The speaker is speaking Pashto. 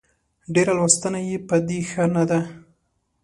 ډېره لوستنه يې په دې ښه نه ده